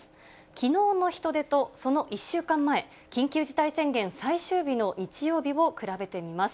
きのうの人出と、その１週間前、緊急事態宣言最終日の日曜日を比べてみます。